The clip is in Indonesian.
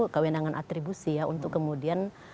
kewenangan atribusi ya untuk kemudian